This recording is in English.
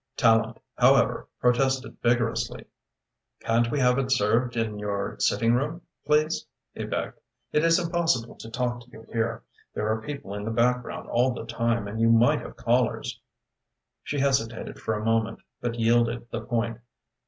Tallente, however, protested vigorously. "Can't we have it served in your sitting room, please?" he begged. "It is impossible to talk to you here. There are people in the background all the time, and you might have callers." She hesitated for a moment but yielded the point.